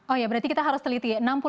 oh ya berarti kita harus teliti